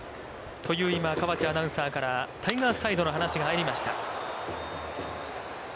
という、今川地アナウンサーからタイガースサイドの話が入りました。